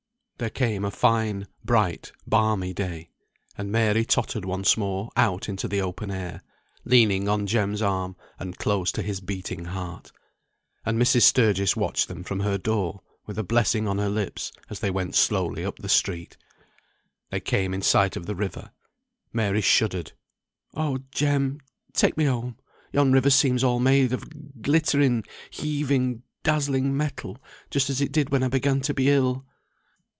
There came a fine, bright, balmy day. And Mary tottered once more out into the open air, leaning on Jem's arm, and close to his beating heart. And Mrs. Sturgis watched them from her door, with a blessing on her lips, as they went slowly up the street. They came in sight of the river. Mary shuddered. "Oh, Jem! take me home. Yon river seems all made of glittering, heaving, dazzling metal, just as it did when I began to be ill."